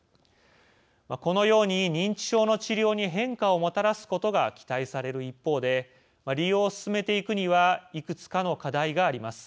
このように認知症の治療に変化をもたらすことが期待される一方で利用を進めていくにはいくつかの課題があります。